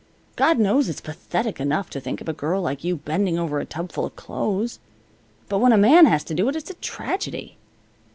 God knows it's pathetic enough to think of a girl like you bending over a tubful of clothes. But when a man has to do it, it's a tragedy."